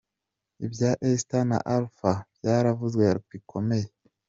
Ibya Esther na Alpha byaravuzwe bikomeye.